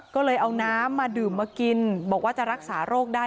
ก็เลยเอาน้ำมาดื่มมากินบอกว่าจะรักษาโรคได้